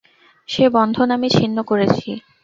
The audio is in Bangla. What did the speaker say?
সে বন্ধন আমি ছিন্ন করেছি।